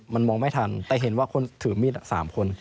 มันมองไม่ทันแต่เห็นว่าคนถือมีด๓คน